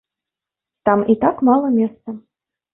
Там і так мала месца.